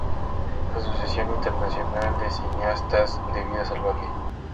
Asociación Internacional de Cineastas de Vida Salvaje.